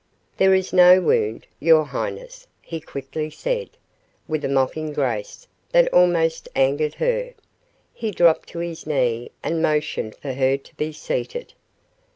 "There is no wound, your highness," he quickly said. With a mocking grace that almost angered her, he dropped to his knee and motioned for her to be seated.